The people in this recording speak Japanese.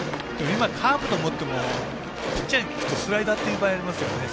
今、カーブと思ってもピッチャーに聞くとスライダーっていう場合ありますよね。